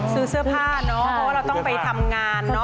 ซื้อเสื้อผ้าเนอะเพราะว่าเราต้องไปทำงานเนอะ